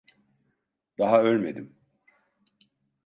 Daha ölmedim.